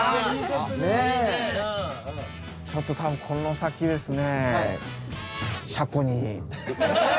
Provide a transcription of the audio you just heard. ちょっと多分この先ですね。